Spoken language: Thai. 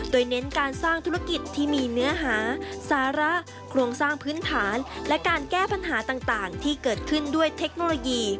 โดยเน้นการสร้างธุรกิจที่มีเนื้อหาสาระโครงสร้างพื้นฐานและการแก้ปัญหาต่างที่เกิดขึ้นด้วยเทคโนโลยี